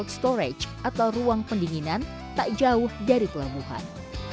dan diberi kondisi kondisi kondisi atau ruang pendinginan tak jauh dari kelemuhan